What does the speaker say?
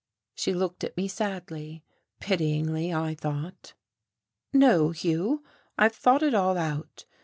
She looked at me sadly, pityingly, I thought. "No, Hugh, I've thought it all out.